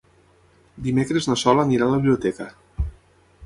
Dimecres na Sol anirà a la biblioteca.